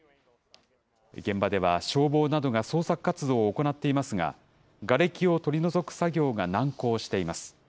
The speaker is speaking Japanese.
現場では消防などが捜索活動を行っていますが、がれきを取り除く作業が難航しています。